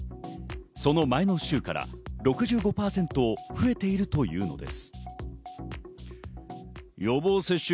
その前の週から６５％増えているというのです。